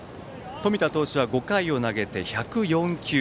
冨田投手は５回を投げて１０４球。